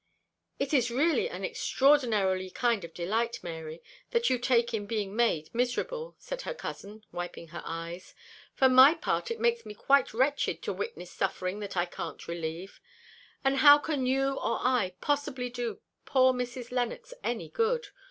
"It is really an extraordinary kind of delight, Mary, that you take in being made miserable," said her cousin, wiping her eyes; "for my part, it makes me quite wretched to witness suffering that I can't relieve; and how can you or I possibly do poor Mrs. Lennox any good?